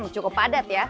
cukup padat ya